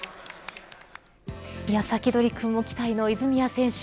サキドリくんも期待の泉谷選手